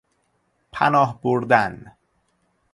پناه بردن